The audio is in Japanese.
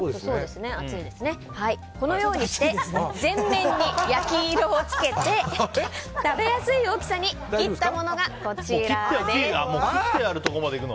このように全面に焼き色をつけて食べやすい大きさに切ったものがこちらです。